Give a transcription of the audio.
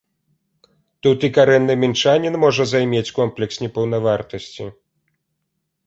Тут і карэнны мінчанін можа займець комплекс непаўнавартасці.